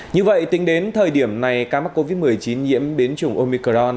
như vậy tính đến thời điểm này ca mắc covid một mươi chín nhiễm biến chủng omicron